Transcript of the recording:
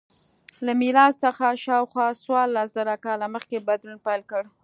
له میلاد څخه شاوخوا څوارلس زره کاله مخکې بدلون پیل کړ.